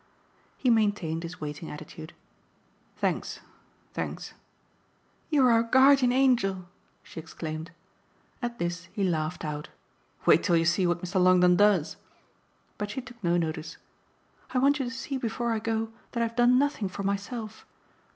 He maintained his waiting attitude. "Thanks, thanks." "You're our guardian angel!" she exclaimed. At this he laughed out. "Wait till you see what Mr. Longdon does!" But she took no notice. "I want you to see before I go that I've done nothing for myself.